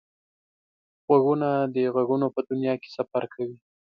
غوږونه د غږونو په دنیا کې سفر کوي